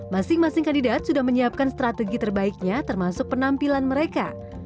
masing masing kandidat sudah menyiapkan strategi terbaiknya termasuk penampilan mereka